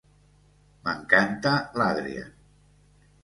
M'encanta l'Adrian!